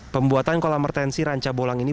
pembuatan kolam retensi ranca bolang ini